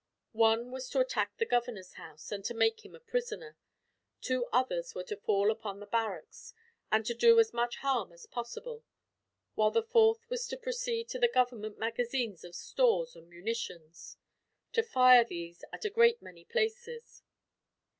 One was to attack the governor's house, and to make him a prisoner; two others were to fall upon the barracks, and to do as much harm as possible; while the fourth was to proceed to the government magazines of stores and munitions, to fire these at a great many places.